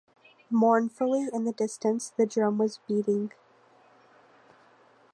Mournfully, in the distance, the drum was beating.